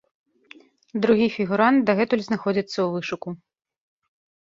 Другі фігурант дагэтуль знаходзіцца ў вышуку.